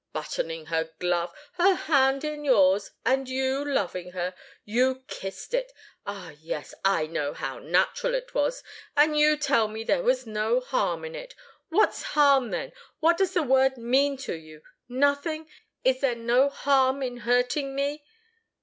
Buttoning her glove her hand in yours and you, loving her you kissed it! Ah, yes, I know how natural it was! And you tell me there was no harm in it! What's harm, then? What does the word mean to you? Nothing? Is there no harm in hurting me?"